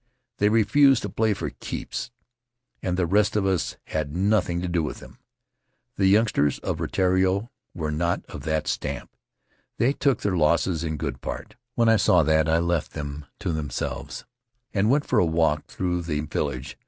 They refused to play "for keeps," and the rest of us had nothing to do with them. The youngsters of Rutiaro were not of that stamp. They took their losses in good part. When I saw that I left them to themselves and went for a walk through the village.